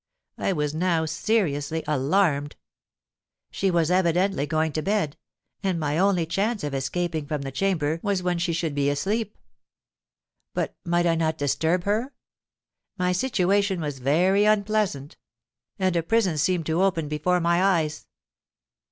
I was now seriously alarmed. She was evidently going to bed; and my only chance of escaping from the chamber was when she should be asleep. But might I not disturb her? My situation was very unpleasant—and a prison seemed to open before my eyes.